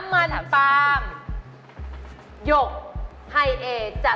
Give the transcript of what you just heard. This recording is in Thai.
และราคาอยู่ที่